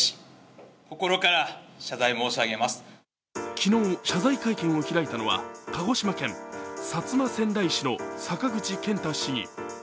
昨日、謝罪会見を開いたのは鹿児島県薩摩川内市の坂口健太市議。